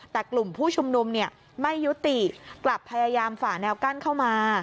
แต่กลุ่มผู้ชุมนุมไม่ยุติกลับพยายามฝ่าแนวกั้นเข้ามา